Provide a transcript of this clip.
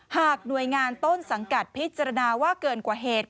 หากหน่วยงานต้นสังกัดพิจารณาว่าเกินกว่าเหตุ